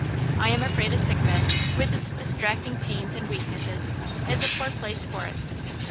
I am afraid a sick bed, with its distracting pains and weaknesses, is a poor place for it."